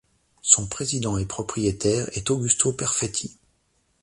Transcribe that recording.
Son président et propriétaire est Augusto Perfetti.